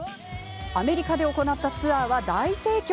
アメリカで行ったツアーは大盛況。